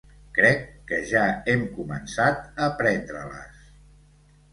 Crec que ja hem començat a prendre-les.